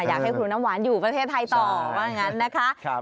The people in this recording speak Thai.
อยากให้ครูน้ำหวานอยู่ประเทศไทยต่อว่าอย่างนั้นนะคะ